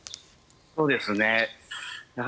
そうですね。